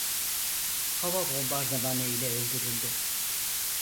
Hava bombardımanı ile öldürüldü.